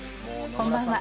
こんばんは。